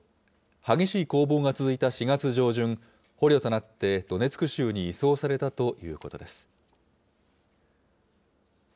激しい攻防が続いた４月上旬、捕虜となってドネツク州に移送されたということです。